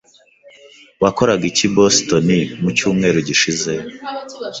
Wakoraga iki i Boston mu cyumweru gishize?